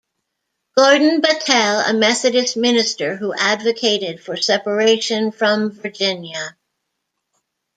Gordon Battelle, a Methodist minister who advocated for separation from Virginia.